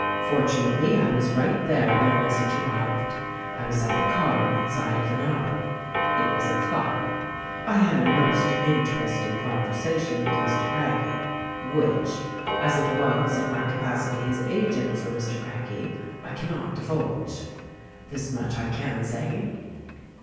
Fortunately I was right there when the message arrived. I was at the car inside of an hour. It was at Clyde. I had a most interesting conversation with Mr. Craggie, which, as it was in my capacity as agent for Mr. Craggie, I cannot divulge. This much I can say.